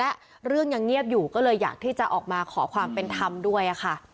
และเรื่องยังเงียบอยู่ก็เลยอยากที่จะออกมาขอความเป็นธรรมด้วยค่ะ